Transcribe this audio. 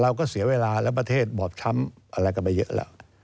เราก็เสียเวลาแล้วประเทศบอบช้ำอะไรกันไปเยอะแล้ว